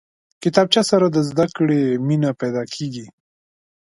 کتابچه سره د زده کړې مینه پیدا کېږي